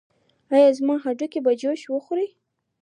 ایا زما هډوکي به جوش وخوري؟